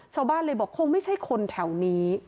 ชาวบ้านเลยบอกคงไม่ใช่คนแถวนี้